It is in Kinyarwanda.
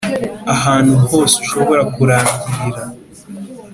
ahantu hose ushobora kurangirira,